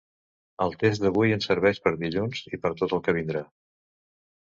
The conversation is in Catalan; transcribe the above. El test d’avui ens serveix per dilluns i per tot el que vindrà.